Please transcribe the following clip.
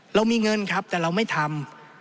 เรามีเงินครับแต่เราไม่ทำ